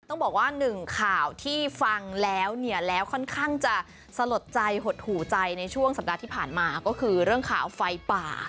ต้องบอกว่าหนึ่งข่าวที่ฟังแล้วเนี่ยแล้วค่อนข้างจะสลดใจหดหูใจในช่วงสัปดาห์ที่ผ่านมาก็คือเรื่องข่าวไฟป่า